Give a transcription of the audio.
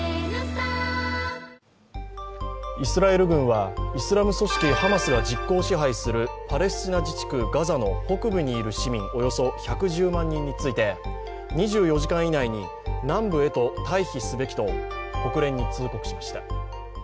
イスラエル軍は、イスラム組織ハマスが実効支配するパレスチナ自治区ガザの北部にいる市民、およそ１１０万人について２４時間以内に南部へと退避すべきと国連に通告しました。